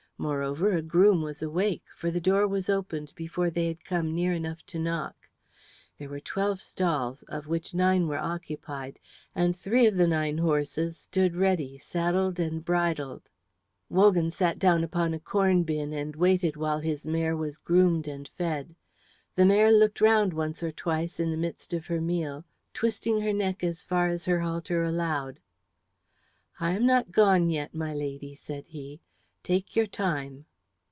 Moreover, a groom was awake, for the door was opened before they had come near enough to knock. There were twelve stalls, of which nine were occupied, and three of the nine horses stood ready saddled and bridled. Wogan sat down upon a corn bin and waited while his mare was groomed and fed. The mare looked round once or twice in the midst of her meal, twisting her neck as far as her halter allowed. "I am not gone yet, my lady," said he, "take your time."